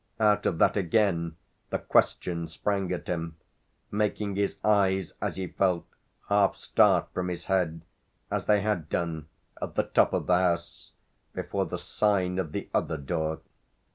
Out of that again the question sprang at him, making his eyes, as he felt, half start from his head, as they had done, at the top of the house, before the sign of the other door.